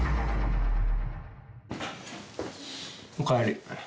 おかえり。